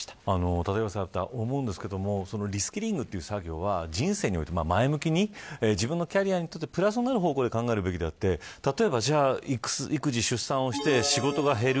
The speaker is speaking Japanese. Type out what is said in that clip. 立岩さん、思うんですけどリスキリングという作業は人生において前向きに自分のキャリアにプラスになるように考えるべきであって例えば育児・出産をして仕事が減る。